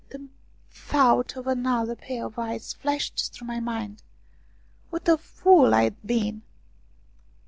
The thought of another pair of eyes flashed through my mind. What a fool I'd been.